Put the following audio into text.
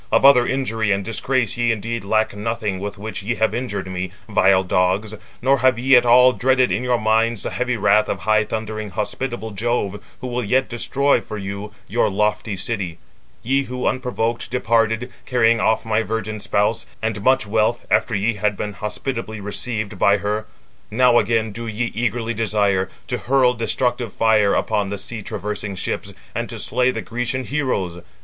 Of other injury and disgrace ye indeed lack nothing with which ye have injured me, vile dogs, nor have ye at all dreaded in your minds the heavy wrath of high thundering, hospitable Jove, who will yet destroy for you your lofty city; ye who unprovoked departed, carrying off my virgin spouse, and much wealth, after ye had been hospitably received by her. Now again do ye eagerly desire to hurl destructive fire upon the sea traversing ships, and to slay the Grecian heroes.